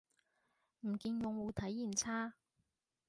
唔見用戶體驗差